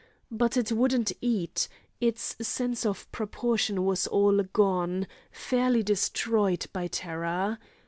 But it wouldn't eat—its sense of proportion was all gone, fairly destroyed by terror.